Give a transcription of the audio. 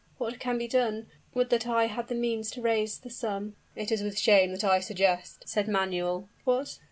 "What can be done? would that I had the means to raise this sum " "It is with shame that I suggest " said Manuel. "What?